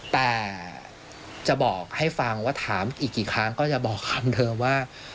แต่จะบอกให้ฟังว่าถามอีกกี่ครั้งก็จะบอกคำเดิมว่า